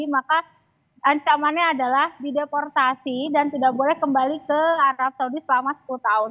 maka ancamannya adalah dideportasi dan tidak boleh kembali ke arab saudi selama sepuluh tahun